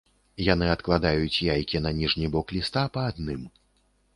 Яны адкладаюць яйкі на ніжні бок ліста па адным.